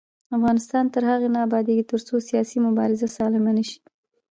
افغانستان تر هغو نه ابادیږي، ترڅو سیاسي مبارزه سالمه نشي.